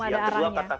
ya belum ada arahnya